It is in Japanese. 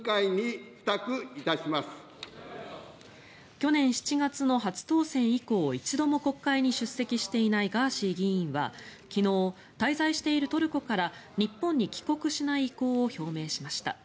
去年７月の初当選以降一度も国会に出席していないガーシー議員は昨日、滞在しているトルコから日本に帰国しない意向を表明しました。